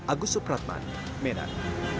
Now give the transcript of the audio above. agus supratman medan